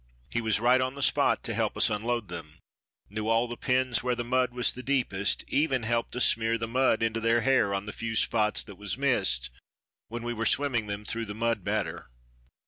He was right on the spot to help us unload them; knew all the pens where the mud was the deepest, even helped us smear the mud into their hair on the few spots that was missed, when we were swimming them through the mud batter.